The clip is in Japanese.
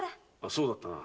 そうだったな。